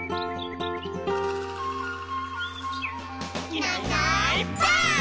「いないいないばあっ！」